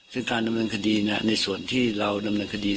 ซึ่งการดำเนินคดีในส่วนที่เราดำเนินคดี